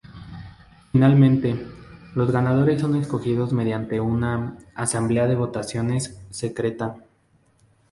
Finalmente, los ganadores son escogidos mediante una "Asamblea de Votaciones" secreta.